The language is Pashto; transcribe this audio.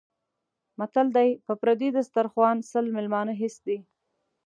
متل دی: په پردي دیسترخوا سل مېلمانه هېڅ دي.